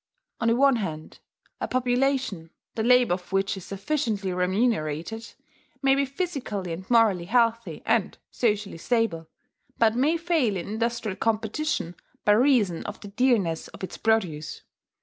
"On the one hand, a population, the labour of which is sufficiently remunerated, may be physically and morally healthy, and socially stable, but may fail in industrial competition by reason of the dearness of its produce.